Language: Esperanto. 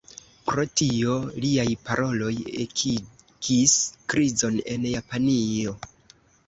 Pro tio, liaj paroloj ekigis krizon en Japanio.